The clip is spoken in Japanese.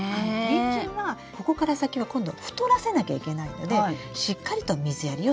ニンジンはここから先は今度太らせなきゃいけないのでしっかりと水やりをするということ。